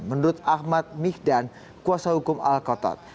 menurut ahmad mihdan kuasa hukum al kotot